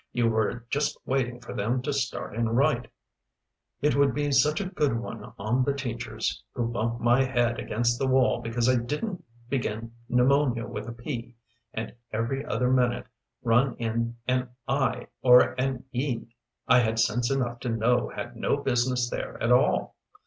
You were just waiting for them to start in right.' It would be such a good one on the teachers who bumped my head against the wall because I didn't begin pneumonia with a p and every other minute run in an i or an e I had sense enough to know had no business there at all.